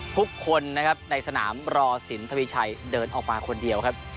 ทุกคนนะครับในสนามรอสินทวีชัยเดินออกมาคนเดียวครับ